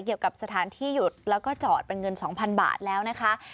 เกี่ยวกับสถานที่หยุดแล้วก็จอดเป็นเงิน๒๐๐๐บาทแล้วนะคะ